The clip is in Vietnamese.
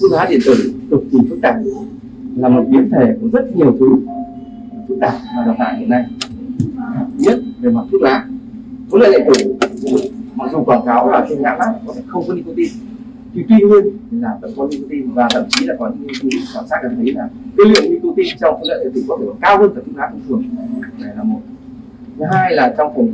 vấn đề thuốc lá điện tử mặc dù quảng cáo trên nhãn là không có nicotine thì tuy nhiên là có nicotine và thậm chí là có nguyên liệu nicotine trong thuốc lá điện tử có thể cao hơn thuốc lá bình thường